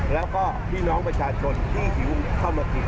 และพี่น้องประชาชนที่หิวก็มากิน